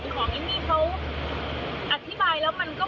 จนมาถึงพี่ของเขาอธิบายแล้วก็ไม่ขึ้น